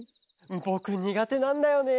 ぼくにがてなんだよね。